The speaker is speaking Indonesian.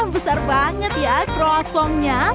besar banget ya kerosongnya